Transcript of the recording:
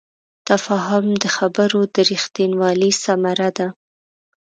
تفاهم د خبرو د رښتینوالي ثمره ده.